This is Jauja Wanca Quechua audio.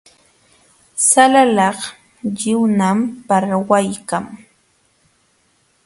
Salakaq lliwñam parwaykan.